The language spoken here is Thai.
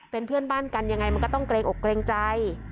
เป็นเพื่อนบ้านกันยังไงมันก็ต้องเกรงอกเกรงใจ